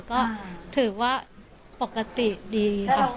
ก็ถือว่าปกติดีค่ะ